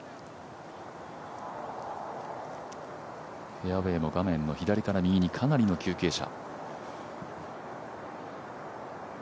フェアウエー、画面から右にかなりの急傾斜。